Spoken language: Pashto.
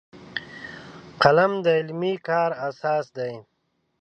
قلم د علمي کار اساس دی